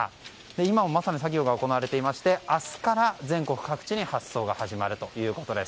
今まさに作業が行われていまして明日から全国各地に発送が始まるということです。